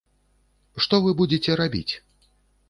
Што вы будзеце рабіць?